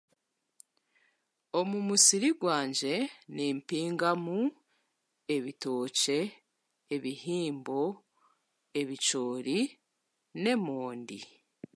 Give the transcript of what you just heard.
Omu musiri gwangye, nimpingamu ebitookye, ebihimbo, ebicoori n'emondi.